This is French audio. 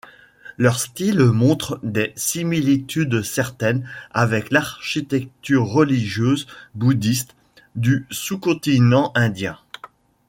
Leur style montre des similitudes certaines avec l'architecture religieuse bouddhiste du sous-continent indien.